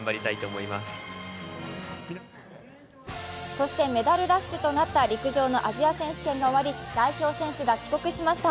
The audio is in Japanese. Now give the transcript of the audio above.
そしてメダルラッシュとなった陸上のアジア選手権が終わり代表選手が帰国しました。